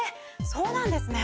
そうなんですね。